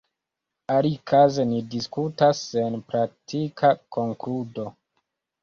Alikaze ni diskutas sen praktika konkludo.